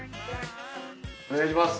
お願いします。